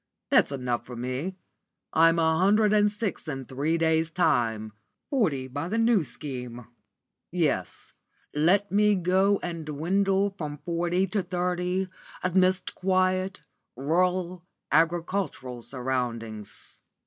That's good enough for me. I'm a hundred and six in three days' time; forty by the New Scheme. Yes, let me go and dwindle from forty to thirty amidst quiet, rural, agricultural surroundings."